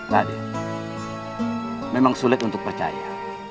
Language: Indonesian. raden memang sulit untuk percaya